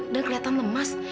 dan kelihatan lemas